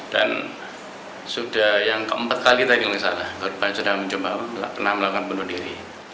dan sudah yang keempat kali tadi misalnya korban sudah menjombang tidak pernah melakukan bunuh diri